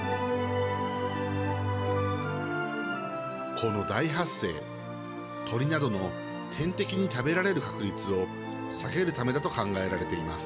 この大発生鳥などの天敵に食べられる確率を下げるためだと考えられています。